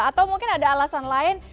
atau mungkin ada alasan lain